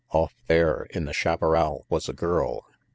Off there in the chaparral was a girl.